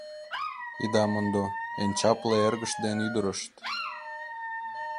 Ида мондо: эн чапле эргышт ден ӱдырышт.